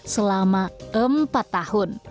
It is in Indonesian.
selama empat tahun